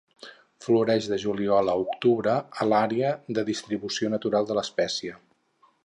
Floreix de Juliol a Octubre a l'àrea de distribució natural de l'espècie.